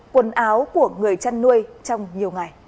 quần áo của người chăn nuôi trong nhiều ngày